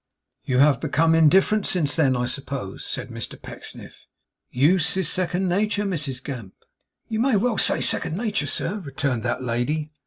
'You have become indifferent since then, I suppose?' said Mr Pecksniff. 'Use is second nature, Mrs Gamp.' 'You may well say second nater, sir,' returned that lady.